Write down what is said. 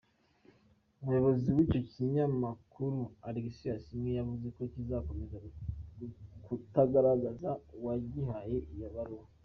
Umuyobozi w’icyo kinyamakuru Alex Asiimwe yavuze ko kizakomeza kutagaragaza uwagihaye iyo baruwa.